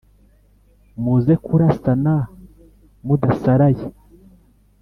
muze kurasana mudasaraye !"